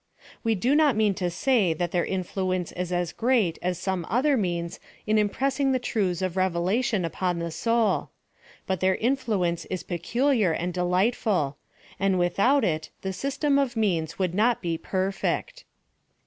We do not mean to say that their influence is as great as some other means in impressing the truths of Revelation upon the Boul ; but their influence is peculiar and delightful, ' ^32 PHILOSOPHY OF THE and without it the system of means would not be perfect.